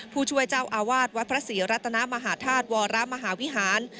ผู้ช่วยเจ้าอาวาสวัดพระศรีรัตนมหาธาตุวรมหาวิหาร